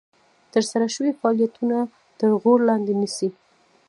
ترسره شوي فعالیتونه تر غور لاندې نیسي.